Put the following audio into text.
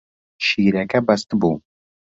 شیرەکە بەستبوو.